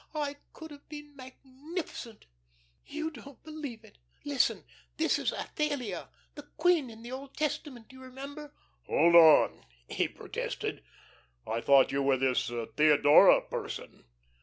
"I could have been magnificent. You don't believe it. Listen. This is Athalia the queen in the Old Testament, you remember." "Hold on," he protested. "I thought you were this Theodora person."